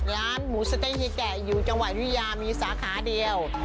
ร้านหมูสะเต๊ะเฮียแกะอยู่จังหวัดวิทยามีสาขาเดียว